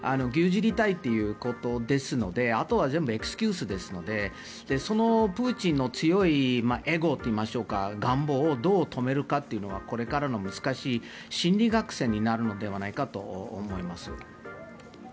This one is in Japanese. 牛耳りたいということですのであとは全部エクスキューズですのでそのプーチンの強いエゴといいましょうか願望をどう止めるかはこれからの難しい心理戦になるのではないかと思います。